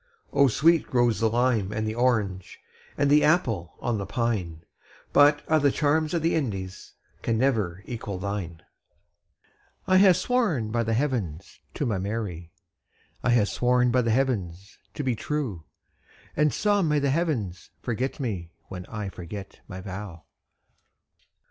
O sweet grows the lime and the orange, And the apple on the pine; But a' the charms o' the Indies Can never equal thine. I hae sworn by the Heavens to my Mary, I hae sworn by the Heavens to be true; And sae may the Heavens forget me, When I forget my vow!